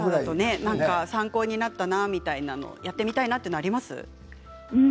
参考になったな、やってみたいなというのはありますか？